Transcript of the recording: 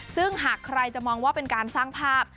ซึ่งหากใครจะมองว่าเป็นการสร้างภาพ